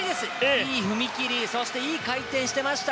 いい踏み切りそしていい回転をしていました。